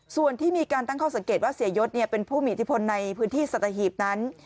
ส่วนที่มีการตั้งข้อสังเกตว่าเสียยศเป็นผู้มีอิทธิพลในพื้นที่สัตหีบนั้น